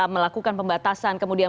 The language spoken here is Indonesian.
melakukan pembatasan kemudian